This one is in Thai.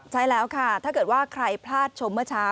ใช่แล้วค่ะถ้าเกิดว่าใครพลาดชมเมื่อเช้า